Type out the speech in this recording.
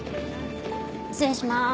失礼します。